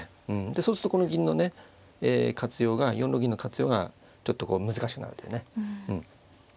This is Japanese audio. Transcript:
そうするとこの銀のね活用が４六銀の活用がちょっとこう難しくなるんだよね。